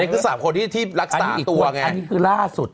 อันนี้คือ๓คนที่รักษาตัวไงอันนี้คือล่าสุด